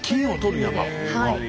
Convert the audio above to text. はい。